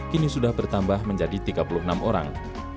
kini sudah bertambah menjadi tiga puluh enam orang